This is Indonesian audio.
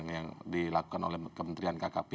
yang dilakukan oleh kementerian kkp